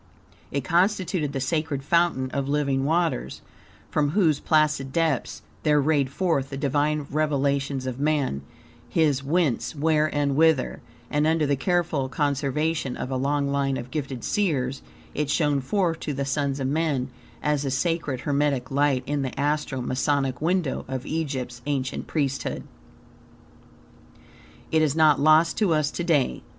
It constituted the sacred fountain of living waters, from whose placid depths there rayed forth the Divine revelations of man, his whence, where, and whither; and under the careful conservation of a long line of gifted seers, it shone forth to the sons of men, as the sacred Hermetic light in the Astro Masonic wisdom of Egypt's ancient priesthood. It is not lost to us to day.